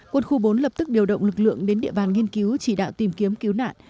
quân khu bốn lập tức điều động lực lượng đến địa bàn nghiên cứu chỉ đạo tìm kiếm cứu nạn